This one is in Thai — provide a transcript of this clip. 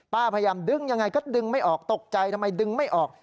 พยายามดึงยังไงก็ดึงไม่ออกตกใจทำไมดึงไม่ออก